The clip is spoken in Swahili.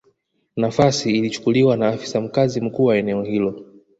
Nafasi ilichukuliwa na afisa mkazi mkuu wa eneo hilo